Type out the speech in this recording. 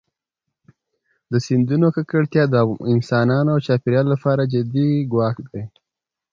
د سیندونو ککړتیا د انسانانو او چاپېریال لپاره جدي ګواښ دی.